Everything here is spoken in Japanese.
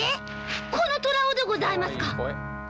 このトラをでございますか？